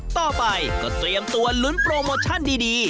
ต่อไปก็เตรียมตัวลุ้นโปรโมชั่นดี